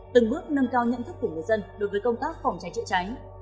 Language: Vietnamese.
từng bước nâng cao nhận thức của người dân đối với công tác phòng cháy chữa cháy